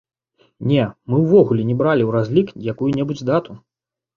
Не, мы ўвогуле не бралі ў разлік якую-небудзь дату.